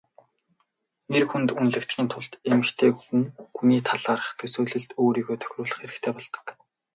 Эр хүнд үнэлэгдэхийн тулд эмэгтэй хүний талаарх төсөөлөлд нь өөрийгөө тохируулах хэрэгтэй болдог.